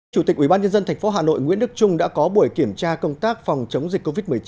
chủ tịch ubnd tp hà nội nguyễn đức trung đã có buổi kiểm tra công tác phòng chống dịch covid một mươi chín